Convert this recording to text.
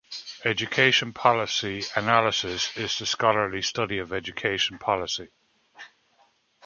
Education policy analysis is the scholarly study of education policy.